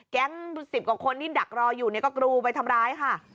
แล้วไม่พอแก๊งสิบกว่าคนที่ดักรออยู่เนี่ยก็กรูไปทำร้ายค่ะ